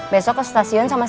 besok ke stasiun sama satu